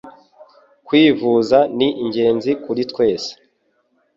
Kwivuza ni ingenzi kuri twese